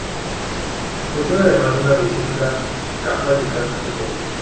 Poseen además una vesícula cefálica pequeña.